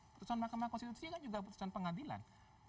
putusan mahkamah konstitusi kan juga putusan pengadilan